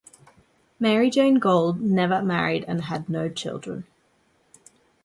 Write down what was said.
Mary Jayne Gold never married and had no children.